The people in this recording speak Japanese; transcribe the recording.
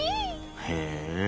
へえ。